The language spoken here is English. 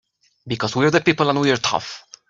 Because we're the people and we're tough!